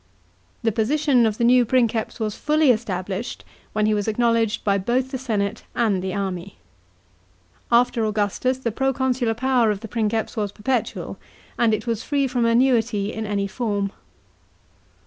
The position of the new Princeps was fully established when he was acknowledged by both the senate and the army. After Augustus, the proconsular power of the Princeps was perpetual, and it was free from annuity in any form.